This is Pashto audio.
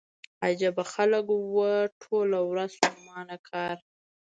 عجيبه خلک وو ټوله ورځ ستومانه کار.